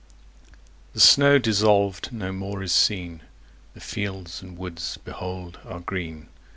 The snow, dissolved, no more is seen, The fields and woods, behold! are green.